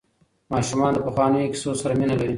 ماشومان د پخوانیو کیسو سره مینه لري.